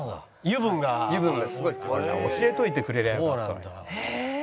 油分がすごい。教えといてくれりゃよかったのに。